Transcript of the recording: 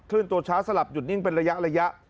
ื่นตัวช้าสลับหยุดนิ่งเป็นระยะ